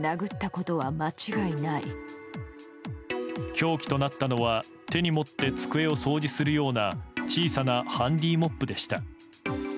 凶器となったのは手に持って机を掃除するような小さなハンディーモップでした。